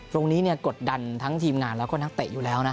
กดดันทั้งทีมงานแล้วก็นักเตะอยู่แล้วนะ